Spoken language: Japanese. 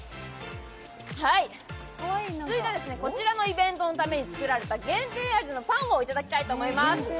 続いてはこちらのイベントのために作られた限定味のパンをいただきたいと思います。